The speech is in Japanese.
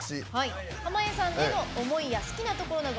濱家さんへの思いや好きなところなど